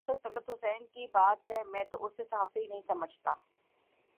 جہاں تک طلعت حسین کی بات ہے میں تو اسے صحافی ہی نہیں سمجھتا